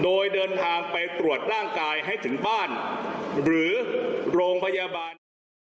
โดยเดินทางไปตรวจร่างกายให้ถึงบ้านหรือโรงพยาบาล